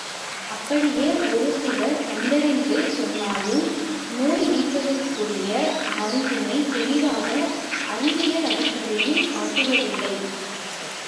அப்படியே ஒரு சிலர் கண்டறிந்து சொன்னாலும் நோய் நீக்கத்திற்குரிய மருந்தினைத் தெளிவாக, அறிவியல் அடிப்படையில் காட்டுவதில்லை.